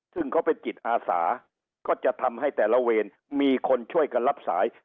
ซึ่งเขาเป็นจิตอาสาก็จะทำให้แต่ละเวรมีคนช่วยกันรับสาย